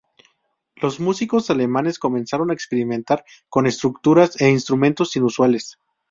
Los músicos alemanes comenzaron a experimentar con estructuras e instrumentos inusuales.